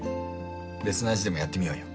別の味でもやってみようよ。